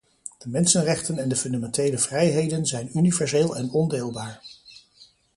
De mensenrechten en de fundamentele vrijheden zijn universeel en ondeelbaar.